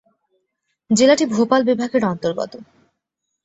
জেলাটি ভোপাল বিভাগের অন্তর্গত।